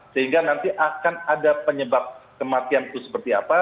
sehingga nanti akan ada penyebab kematian itu seperti apa